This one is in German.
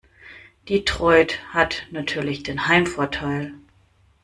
Detroit hat natürlich den Heimvorteil.